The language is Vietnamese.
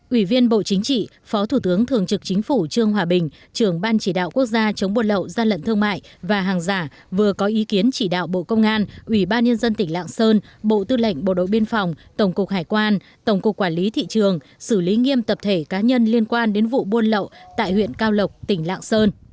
ủy viên bộ chính trị phó thủ tướng thường trực chính phủ trương hòa bình trưởng ban chỉ đạo quốc gia chống buôn lậu gian lận thương mại và hàng giả vừa có ý kiến chỉ đạo bộ công an ủy ban nhân dân tỉnh lạng sơn bộ tư lệnh bộ đội biên phòng tổng cục hải quan tổng cục quản lý thị trường xử lý nghiêm tập thể cá nhân liên quan đến vụ buôn lậu tại huyện cao lộc tỉnh lạng sơn